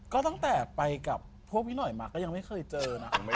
ก็ตั้งแต่ไปกับพวกพี่หน่อยมาก็ยังไม่เคยเจอนะ